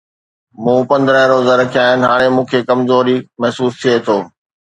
مون پندرهن روزا رکيا آهن، هاڻي مون کي ڪمزور محسوس ٿئي ٿو.